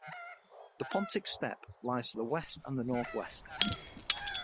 The Pontic Steppe lies to the west and northwest.